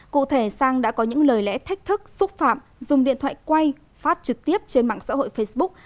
cụ thể sang đã có những lời lẽ thách thức xúc phạm dùng điện thoại quay phát trực tiếp trên mạng xã hội facebook